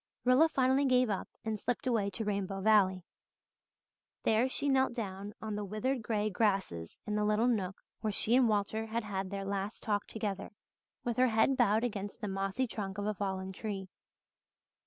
Rilla finally gave up and slipped away to Rainbow Valley. There she knelt down on the withered grey grasses in the little nook where she and Walter had had their last talk together, with her head bowed against the mossy trunk of a fallen tree.